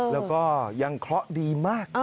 แล้วก็ยังเคราะห์ดีมาก